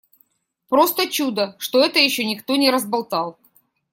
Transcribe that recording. Просто чудо, что это ещё никто не разболтал.